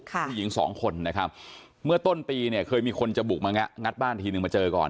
มีอีกสองคนเนี้ยค่ะเมื่อต้นปีเนี่ยเคยมีคนจะบุคมานัดบ้านทีนึงมาเจอก่อน